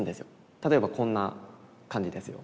例えばこんな感じですよ。